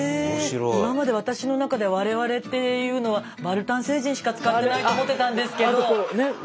今までわたしの中で「われわれ」っていうのはバルタン星人しか使ってないと思ってたんですけど。